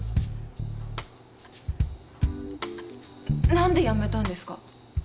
何で辞めたんですか？